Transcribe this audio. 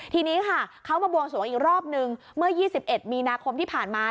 ทีนี้ค่ะเขามาบวงสวงอีกรอบนึงเมื่อ๒๑มีนาคมที่ผ่านมา